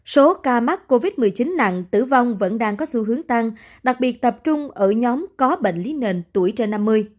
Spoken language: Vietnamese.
số ca mắc covid một mươi chín nặng tử vong vẫn đang có xu hướng tăng đặc biệt tập trung ở nhóm có bệnh lý nền tuổi trên năm mươi